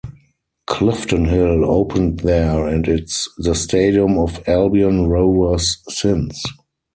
Cliftonhill opened there and its the stadium of Albion Rovers since.